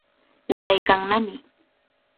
Waraykannami.